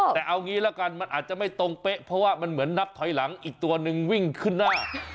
แต่เอางี้ละกันมันอาจจะไม่ตรงเป๊ะเพราะว่ามันเหมือนนับถอยหลังอีกตัวนึงวิ่งขึ้นหน้า